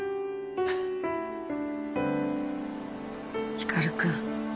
光くん。